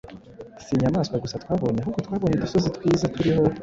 Si inyamaswa gusa twabonye ahubwo twabonye udusozi twiza turiho